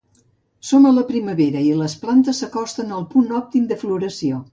Som a la primavera i les plantes s’acosten al punt òptim de floració.